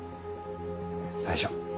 大丈夫。